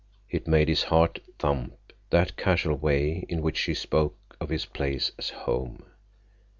It made his heart thump, that casual way in which she spoke of his place as home.